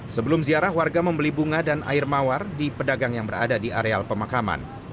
sebelum ziarah warga membeli bunga dan air mawar di pedagang yang berada di areal pemakaman